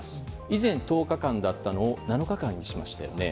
以前１０日間だったのが７日間にしましたね。